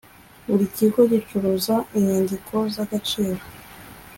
buri kigo gicuruza inyandiko z’ agaciro.